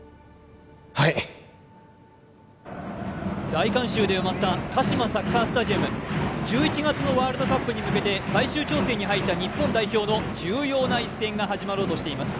はい大観衆で埋まったカシマサッカースタジアム１１月のワールドカップに向けて最終調整に入った日本代表の重要な一戦が始まろうとしています